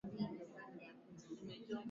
Zanzibar ilijipatia Uhuru kwa njia ya mapinduzi